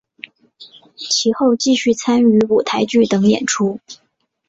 其后继续参与舞台剧等演出。